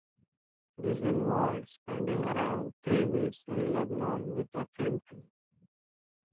This involved spending around three weeks in Lebanon with a film crew.